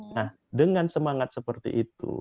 nah dengan semangat seperti itu